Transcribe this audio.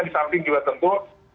di samping juga tentu